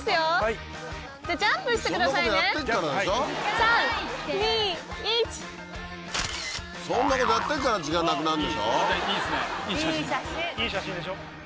いい写真でしょ？